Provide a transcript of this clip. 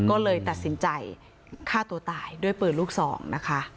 ก็เลยตัดสินใจฆ่าตัวตายด้วยปืนลูกสองนะคะ